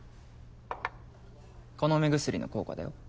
この目薬の効果だよ。